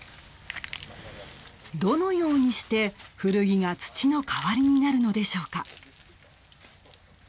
どのようにして古着が土の代わりになるのでしょうか。